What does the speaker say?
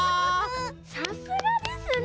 さすがですねえ。